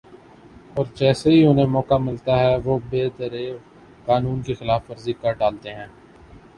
اور جیسے ہی انھیں موقع ملتا ہے وہ بے دریغ قانون کی خلاف ورزی کر ڈالتے ہیں